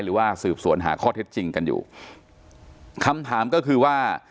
หรือว่าสืบสวนหาข้อเท็จจริงกันอยู่คำถามก็คือว่า